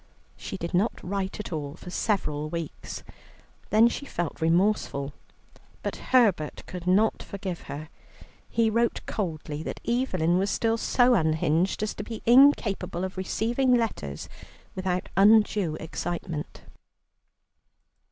She did not write at all for several weeks, then she felt remorseful, but Herbert could not forgive her. He wrote coldly that Evelyn was still so unhinged as to be incapable of receiving letters without undue excitement.